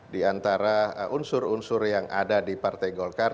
di antara unsur unsur yang ada di partai golkar